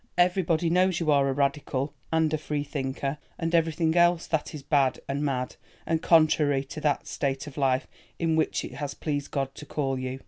Everybody knows you are a radical and a freethinker and everything else that is bad and mad, and contrary to that state of life in which it has pleased God to call you.